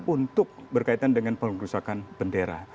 untuk berkaitan dengan pengerusakan bendera